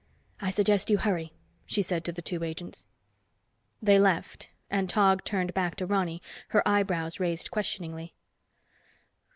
"I suggest you hurry," she said to the two agents. They left, and Tog turned back to Ronny, her eyebrows raised questioningly.